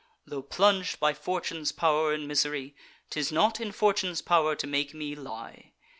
Tho' plung'd by Fortune's pow'r in misery, 'Tis not in Fortune's pow'r to make me lie.